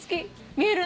見える？